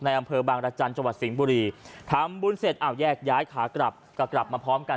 อำเภอบางรจันทร์จังหวัดสิงห์บุรีทำบุญเสร็จอ้าวแยกย้ายขากลับก็กลับมาพร้อมกัน